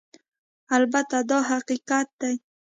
البته دا حقیقت دی